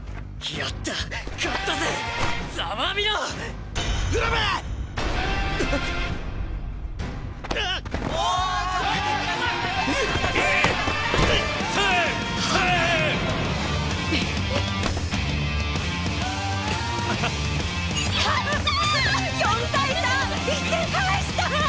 やったぁ！